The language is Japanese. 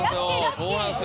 そうなんですよ。